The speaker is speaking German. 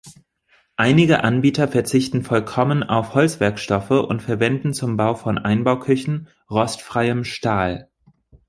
Einige Anbieter verzichten vollkommen auf Holzwerkstoffe und verwenden zum Bau von Einbauküchen rostfreiem Stahl.